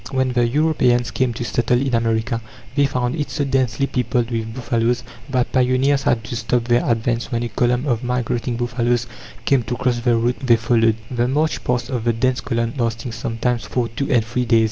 When the Europeans came to settle in America, they found it so densely peopled with buffaloes, that pioneers had to stop their advance when a column of migrating buffaloes came to cross the route they followed; the march past of the dense column lasting sometimes for two and three days.